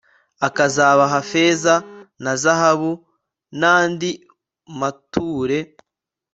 akazabaha feza na zahabu n'andi mature